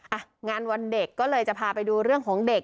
อ่ะงานวันเด็กก็เลยจะพาไปดูเรื่องของเด็ก